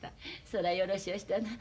そらよろしおしたな。